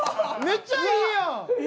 めっちゃいいやん。